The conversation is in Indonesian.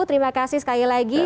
terima kasih sekali lagi